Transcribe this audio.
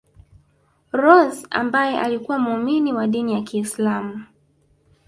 Rose ambaye alikuwa muumini wa dini ya kiislamu